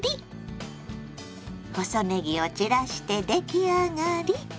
細ねぎを散らして出来上がり。